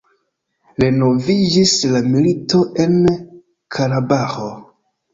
Renoviĝis la milito en Karabaĥo.